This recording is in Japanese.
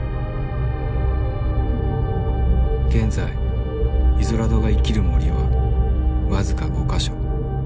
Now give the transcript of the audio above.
現在イゾラドが生きる森は僅か５か所。